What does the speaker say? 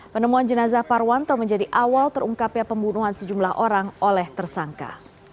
penemuan jenazah parwanto menjadi awal terungkapnya pembunuhan sejumlah orang oleh tersangka